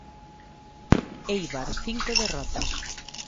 Éibar, cinco derrotas.